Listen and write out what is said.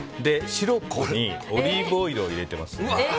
シロップにオリーブオイルを入れてます。